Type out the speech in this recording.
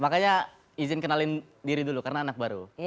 makanya izin kenalin diri dulu karena anak baru